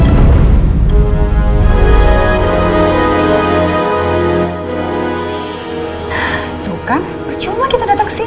tuh kan percuma kita datang ke sini